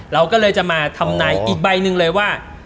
เราก็เลยจะมาทำนายอีกใบหนึ่งเลยว่า